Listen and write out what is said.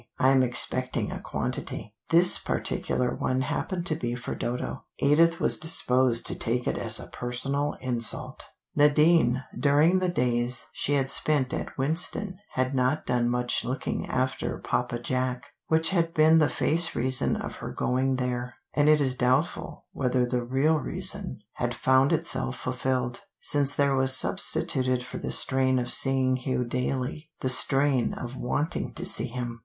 I am expecting a quantity." This particular one happened to be for Dodo. Edith was disposed to take it as a personal insult. Nadine during the days she had spent at Winston had not done much looking after Papa Jack, which had been the face reason of her going there; and it is doubtful whether the real reason had found itself fulfilled, since there was substituted for the strain of seeing Hugh daily, the strain of wanting to see him.